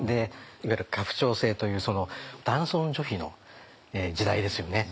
いわゆる家父長制というその男尊女卑の時代ですよね。